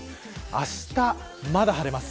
あした、まだ晴れます。